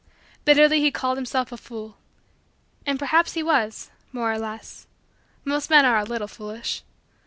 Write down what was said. Bitterly he called himself a fool. And perhaps he was more or less. Most men are a little foolish.